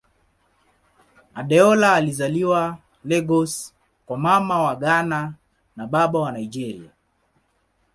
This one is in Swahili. Adeola alizaliwa Lagos kwa Mama wa Ghana na Baba wa Nigeria.